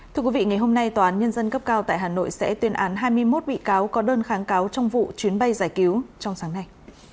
thưa quý vị ngày hôm nay tòa án nhân dân cấp cao tại hà nội sẽ tuyên án hai mươi một bị cáo có đơn kháng cáo trong vụ chuyến bay giải cứu trong sáng nay